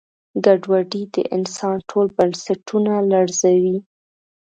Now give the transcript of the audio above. ګډوډي د انسان ټول بنسټونه لړزوي.